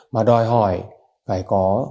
mà đòi hỏi phải có